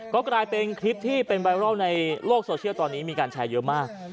ก็กลายเป็นคลิปที่เป็นไวรัลในโลกโซเชียลตอนนี้มีการแชร์เยอะมาก